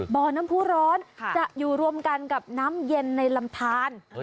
บ่อน้ำผู้ร้อนจะอยู่รวมกันกับน้ำเย็นในลำทาน